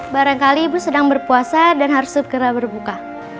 barangkali ibu sedang berpuasa dan harus segera berbuka